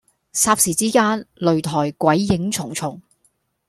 霎時之間，擂台鬼影重重